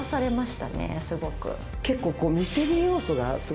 結構。